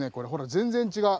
全然違う。